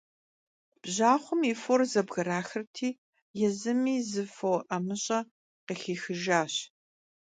Bjaxhuem yi for zebgraxırti, yêzımi zı fo 'emış'e khıxixıjjaş.